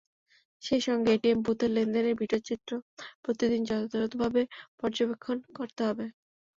সেই সঙ্গে এটিএম বুথের লেনদেনের ভিডিওচিত্র প্রতিদিন যথাযথভাবে পর্যবেক্ষণ করতে হবে।